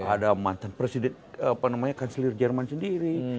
ada mantan presiden kanselir jerman sendiri